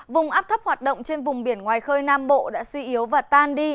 vùng áp thấp hoạt động trên vùng biển ngoài khơi nam bộ đã suy yếu và tan đi